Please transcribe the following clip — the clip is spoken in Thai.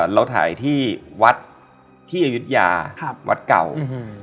เราถ่ายที่วัดที่อายุทยาครับวัดเก่าอืม